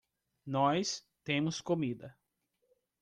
Nós temos comida.